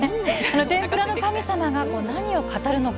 天ぷらの神様が何を語るのか。